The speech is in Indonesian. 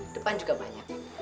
depan juga banyak